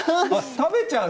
食べちゃう？